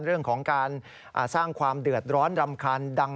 เรื่องของการสร้างความเดือดร้อนรำคาญดัง